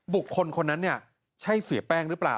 บุคคลคนนั้นเนี่ยใช่เสียแป้งหรือเปล่า